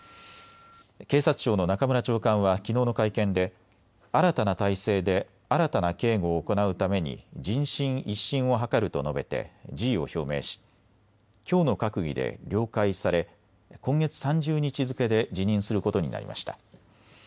警察庁の中村長官はきのうの会見で新たな体制で新たな警護を行うために人心一新を図ると述べて辞意を表明しきょうの閣議で了解され今月３０日付けで辞任することになりました。